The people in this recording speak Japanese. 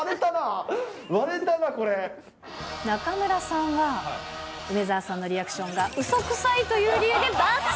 中村さんは、梅澤さんのリアクションがうそくさいという理由でバツ。